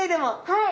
はい。